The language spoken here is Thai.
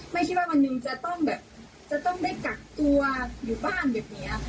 ไม่คิดว่ามันหนึ่งจะต้องได้กักตัวอยู่บ้างแบบนี้ค่ะ